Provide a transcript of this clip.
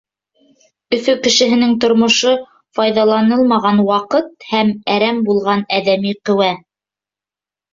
Өфө кешеһенең тормошо — файҙаланылмаған ваҡыт һәм әрәм булған әҙәми ҡеүә.